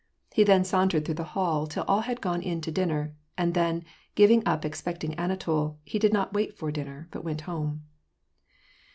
He then sauntered through the hall till all had gone in to dinner ; and then, giving up expecting Anatol, he did not wait for dinner, but went home.